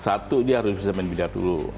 satu dia harus bisa main bidak dulu